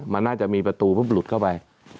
มันน่าจะมีประตูปุ๊บหลุดเข้าไป